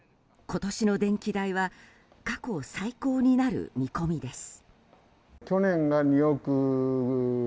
今年の電気代は過去最高になる見込みです。